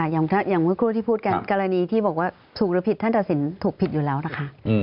อย่างเมื่อครูที่พูดกันกรณีที่บอกว่าถูกหรือผิดท่านตัดสินถูกผิดอยู่แล้วนะคะ